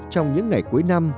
trong những ngày cuối năm